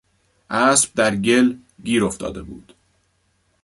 اسب در گل گیر افتاده بود.